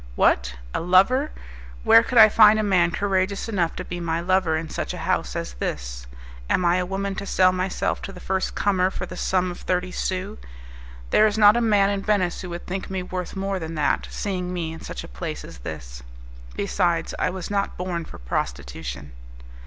"What? a lover! Where could I find a man courageous enough to be my lover in such a house as this? Am I a woman to sell myself to the first comer for the sum of thirty sous? There is not a man in Venice who would think me worth more than that, seeing me in such a place as this. Besides, I was not born for prostitution."